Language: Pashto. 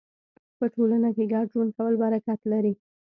په ټولنه کې ګډ ژوند کول برکت لري.